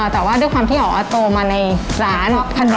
แต่ว่าด้วยความที่อ๋อโตมาในร้านขนม